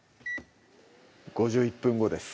５１分後です